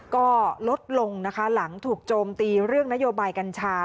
ก็ลดลงนะคะหลังถูกโจมตีเรื่องนโยบายกัญชา